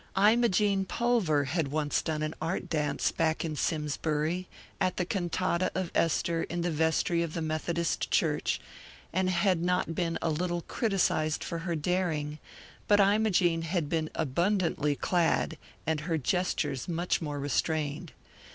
Imogene Pulver had once done an art dance back in Simsbury, at the cantata of Esther in the vestry of the Methodist church, and had been not a little criticised for her daring; but Imogene had been abundantly clad, and her gestures much more restrained.